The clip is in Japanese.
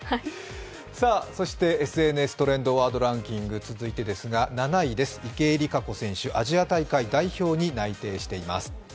そしてＳＮＳトレンドワードランキング続いてですが７位です、池江璃花子選手アジア大会代表に内定しています。